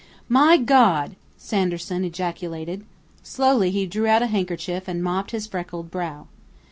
"My God!" Sanderson ejaculated. Slowly he drew out a handkerchief and mopped his freckled brow.